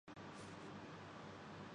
تو صرف آخرت کا۔